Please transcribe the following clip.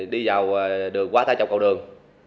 đi vào đường quá tải trọng cầu đường